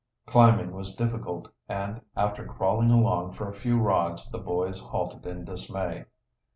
Climbing was difficult, and after crawling along for a few rods the boys halted in dismay.